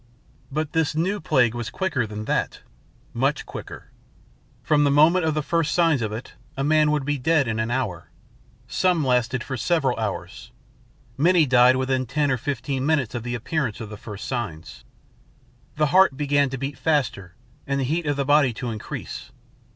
But this new plague was quicker than that much quicker. [Illustration: But this new plague was quicker 078] "From the moment of the first signs of it, a man would be dead in an hour. Some lasted for several hours. Many died within ten or fifteen minutes of the appearance of the first signs. "The heart began to beat faster and the heat of the body to increase.